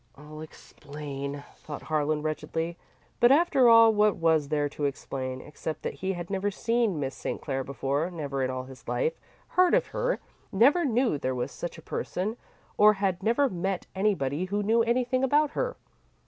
"I'll explain" thought Harlan, wretchedly. But after all what was there to explain, except that he had never seen Miss St. Clair before, never in all his life heard of her, never knew there was such a person, or had never met anybody who knew anything about her?